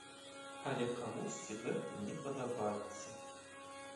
Але камусьці гэта не падабаецца.